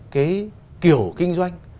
cái kiểu kinh doanh